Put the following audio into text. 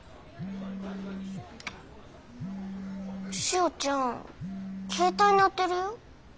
しおちゃん携帯鳴ってるよ。